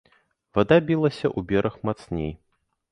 Вада білася ў бераг мацней.